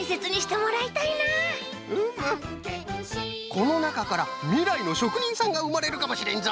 このなかからみらいのしょくにんさんがうまれるかもしれんぞ！